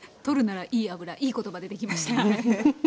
「とるならいい油」いい言葉出てきましたね。